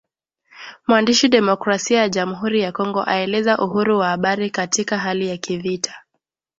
Mwandishi Demokrasia ya jamuhuri ya Kongo aeleza uhuru wa habari katika hali ya kivita